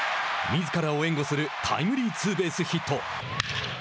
みずからを援護するタイムリーツーベースヒット。